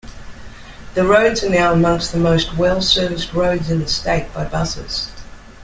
The roads are now amongst the most well-serviced roads in the state by buses.